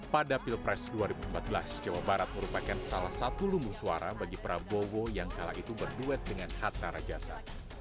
pada pilpres dua ribu empat belas jawa barat merupakan salah satu lumbu suara bagi prabowo yang kala itu berduet dengan hatta rajasa